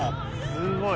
すごい。